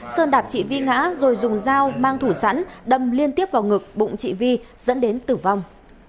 sơn đạp chị vi ngã rồi dùng dao mang thủ sẵn đâm liên tiếp vào ngực bụng chị vi dẫn đến tử vong